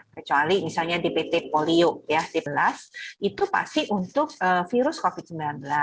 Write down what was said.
kecuali misalnya dpt polio sebelas itu pasti untuk virus covid sembilan belas